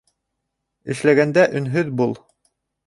Эшләгәндә өнһөҙ бул.